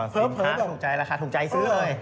อ๋อสินค้าถูกใจแล้วค่ะถูกใจซื้อเลย